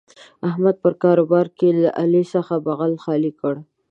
احمد په کاروبار کې له علي څخه بغل خالي کړ.